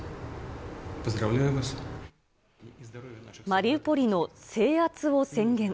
マリウポリの制圧を宣言。